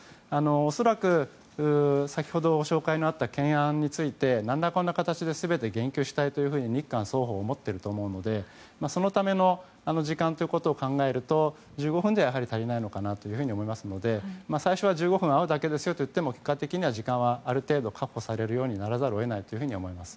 恐らく、先ほどご紹介あった懸案について何らかの形で全て言及したいと日韓双方は思っていると思うのでそのための時間というのを考えると、１５分では足りないかなと思いますので最初は１５分会うだけですよといっても、結果的には時間はある程度確保せざるを得ないと思います。